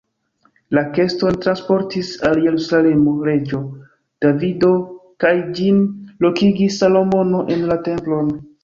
La keston transportis al Jerusalemo reĝo Davido kaj ĝin lokigis Salomono en la templon.